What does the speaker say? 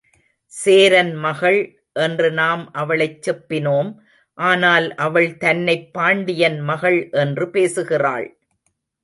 சேரன் மகள் என்று நாம் அவளைச் செப்பினோம் ஆனால் அவள் தன்னைப் பாண்டியன் மகள் என்று பேசுகிறாள்.